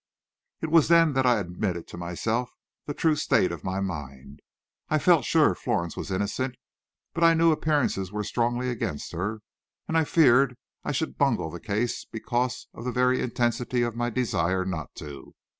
It was then that I admitted to myself the true state of my mind. I felt sure Florence was innocent, but I knew appearances were strongly against her, and I feared I should bungle the case because of the very intensity of my desire not to.